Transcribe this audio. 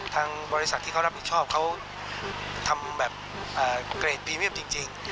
ทางบริษัทที่เขารับผิดชอบเขาทำแบบเกรดพรีเมียมจริง